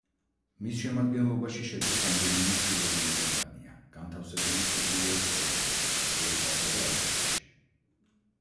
მის შემადგენლობაში შედის რამდენიმე შვილობილი კომპანია განთავსებული ჩრდილოეთ ამერიკაში, ევროპასა და აზიაში.